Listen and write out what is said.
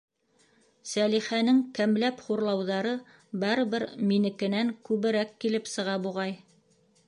Сәлихәнең кәмләп-хурлауҙары барыбер минекенән күберәк килеп сыға, буғай.